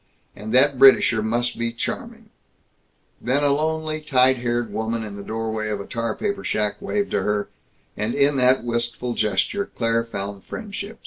And that Britisher must be charming Then a lonely, tight haired woman in the doorway of a tar paper shack waved to her, and in that wistful gesture Claire found friendship.